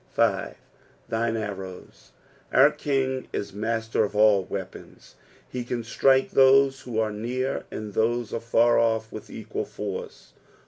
5. "T/itM arrows." Our King is master of all weapons : he can strike those who are near aod those afar off with equal force.